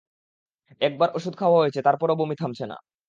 একবার ওষুধ খাওয়া হয়েছে তারপর ও বমি থামছে না।